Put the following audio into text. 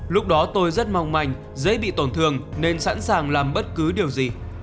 lúc đó tôi rất mong manh dễ bị tổn thương nên sẵn sàng làm bất cứ điều gì